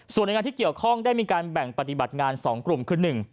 ส่วนหน่วยงานที่เกี่ยวข้องได้มีการแบ่งปฏิบัติงาน๒กลุ่มคือ๑